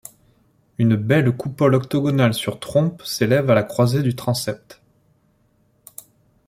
Une belle coupole octogonale sur trompes s'élève à la croisée du transept.